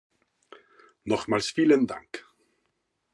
Nochmals vielen Dank!